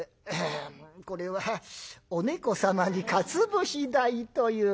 これはお猫様にかつ節代という」。